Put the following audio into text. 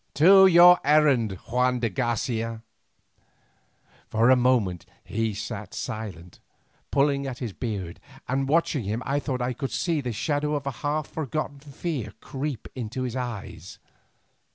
To your errand, Juan de Garcia." For a moment he sat silent, pulling at his pointed beard, and watching him I thought that I could see the shadow of a half forgotten fear creep into his eyes.